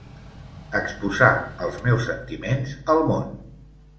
Exposar els meus sentiments al món